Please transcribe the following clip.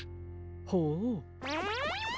ほう！